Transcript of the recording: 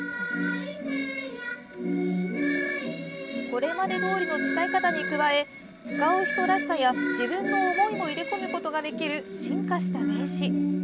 これまでどおりの使い方に加え使う人らしさや自分の思いも入れ込むことができる進化した名刺。